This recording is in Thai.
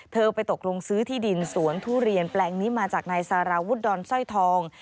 เธอไปตกลงซื้อที่ดินสวนทุเรียนแปลงนี้มาจากนายสารวุฒิดอนสร้อยทอง